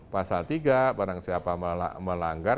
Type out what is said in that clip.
pasal tiga barang siapa melanggar